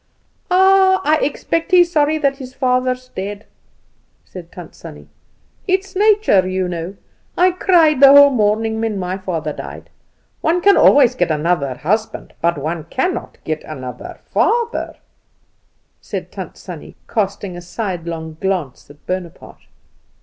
"Ah, I expect he's sorry that his father's dead," said Tant Sannie. "It's nature, you know. I cried the whole morning when my father died. One can always get another husband, but one can't get another father," said Tant Sannie, casting a sidelong glance at Bonaparte.